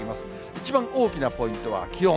一番大きなポイントは気温。